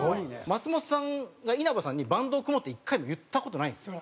松本さんが稲葉さんに「バンドを組もう」って１回も言った事ないんですよ。